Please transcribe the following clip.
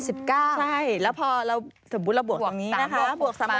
ใช่แล้วพอเราสมมุติเราบวกนี้นะคะ